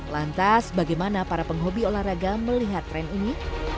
lantas bagaimana para penghobi olahraga melihat tren ini